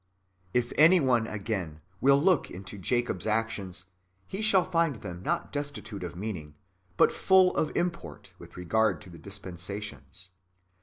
If any one, again, will look into Jacob's actions, he shall find them not destitute of meaning, but full of import with regard to the dispensations.